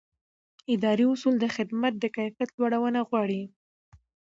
اداري اصول د خدمت د کیفیت لوړونه غواړي.